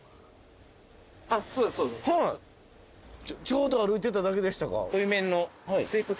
ちょうど歩いてただけでしたか？